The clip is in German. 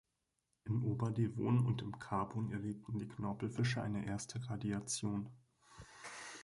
Im Oberdevon und im Karbon erlebten die Knorpelfische eine erste Radiation.